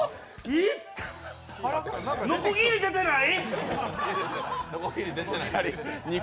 痛っ、のこぎり出てない？